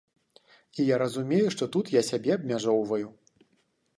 І я разумею, што тут я сябе абмяжоўваю.